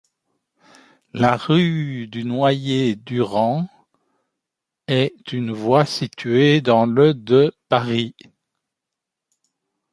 La rue du Noyer-Durand est une voie située dans le de Paris.